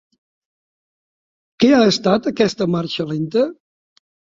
Què ha estat aquesta marxa lenta?